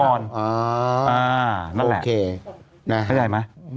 อ๋อโอเคนั่นแหละเข้าใจไหม